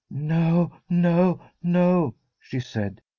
No, no, no !' she said.